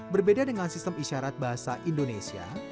berbeda dengan sistem isyarat bahasa indonesia